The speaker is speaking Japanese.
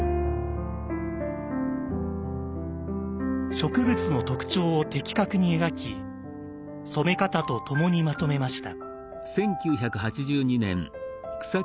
植物の特徴を的確に描き染め方と共にまとめました。